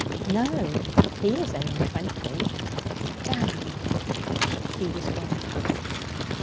'No. He is only twenty.' 'Damn!' He was gone.